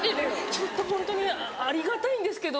ちょっとホントにありがたいんですけど。